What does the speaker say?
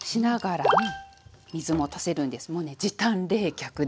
もうね時短冷却で。